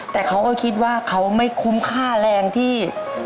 แต่เขาก็คิดว่าเขาไม่คุ้มค่าแรงที่